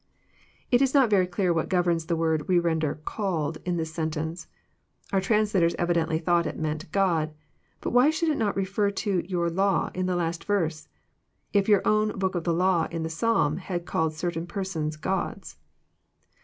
It is not very clear what governs the word we render " called,* in this sentence. Our translators evidently thought it meant " God." But why should it not refer direct to "your law " in the last verse :" If your own book of the law in the Psalm has called certain persons gods."